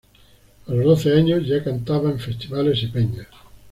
A los doce años ya cantaba en festivales y peñas.